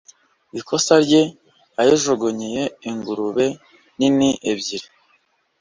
ikosa rye yayijugunyiye ingurube nini ebyiri